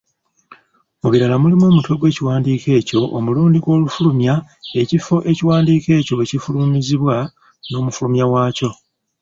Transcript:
Mu birala mulimu omutwe gw’ekiwandiiko ekyo, omulundi gw’olufulumya, ekifo ekiwandiiko ekyo we kyafulumiririzibwa, n'omufulumya waakyo.